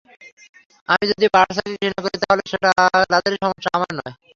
আমি যদি বার্সাকে ঘৃণা করি, তাহলে সেটা তাদেরই সমস্যা, আমার নয়।